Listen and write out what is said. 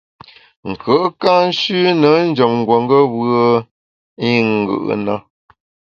Nkùe’ ka nshüne njem nguongeb’e i ngù’ na.